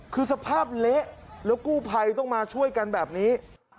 คือสภาพเละแล้วกู้ภัยต้องมาช่วยกันแบบนี้